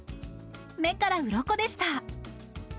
目からうろこでした。